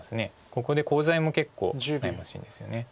ここでコウ材も結構悩ましいんですよね。